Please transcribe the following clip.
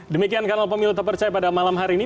demikian kanal pemilu tepercaya pada malam hari ini